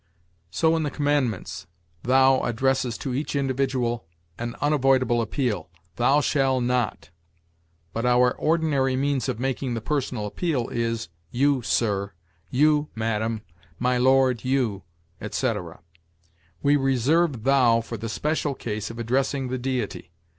So in the Commandments, 'thou' addresses to each individual an unavoidable appeal: 'Thou shall not .' But our ordinary means of making the personal appeal is, 'you, sir,' 'you, madam,' 'my Lord, you ,' etc.; we reserve 'thou' for the special case of addressing the Deity.